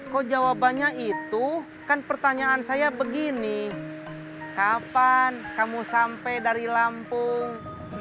kok jawabannya itu kan pertanyaan saya begini kapan kamu sampai dari lampung